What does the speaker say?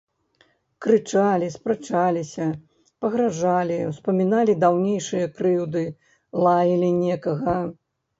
Крычалі, спрачаліся, пагражалі, успаміналі даўнейшыя крыўды, лаялі некага.